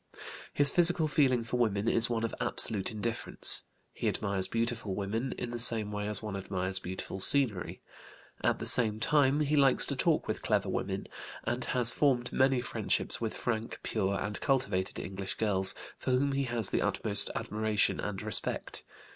His physical feeling for women is one of absolute indifference. He admires beautiful women in the same way as one admires beautiful scenery. At the same time he likes to talk with clever women, and has formed many friendships with frank, pure, and cultivated English girls, for whom he has the utmost admiration and respect.